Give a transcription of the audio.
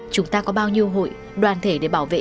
chúng ta có bao nhiêu hội đoàn thể để bảo vệ